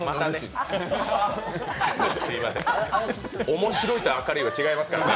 面白いと明るいは違いますからね。